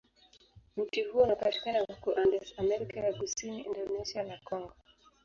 Mti huo unapatikana huko Andes, Amerika ya Kusini, Indonesia, na Kongo.